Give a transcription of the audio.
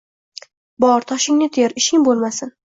Bor, toshingni ter, ishing bo‘lmasin